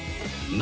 何？